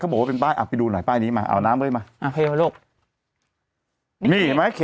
อ่านแล้วสติมาปัญญาเกิด